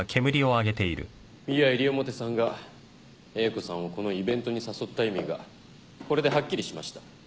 ミア西表さんが英子さんをこのイベントに誘った意味がこれではっきりしました。